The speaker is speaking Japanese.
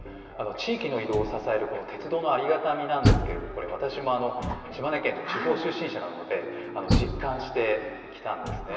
地域の移動を支える鉄道のありがたみなんですけれど、これ、私も島根県の地方出身者なので、実感してきたんですね。